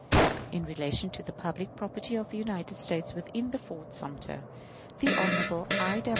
In relation to the public property of the United States within Fort Sumter, the Hon. I.